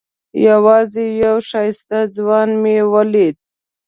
یوازې یو ښایسته ځوان مې ولید.